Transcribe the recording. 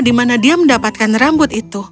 di mana dia mendapatkan rambut itu